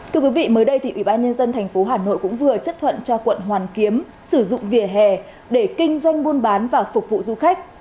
thưa quý vị mới đây thì ủy ban nhân dân thành phố hà nội cũng vừa chất thuận cho quận hoàn kiếm sử dụng vỉa hè để kinh doanh buôn bán và phục vụ du khách